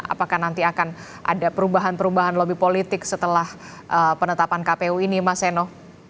apakah nanti akan ada perubahan perubahan lobby politik setelah penetapan kpu ini mas seno